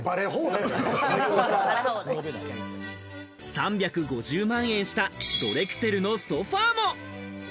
３５０万円したドレクセルのソファーも。